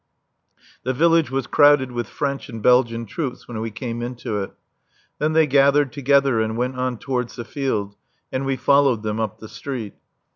The village was crowded with French and Belgian troops when we came into it. Then they gathered together and went on towards the field, and we followed them up the street.